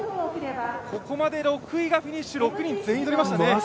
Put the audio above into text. ここまで６位がフィニッシュ、６人全員とりましたね。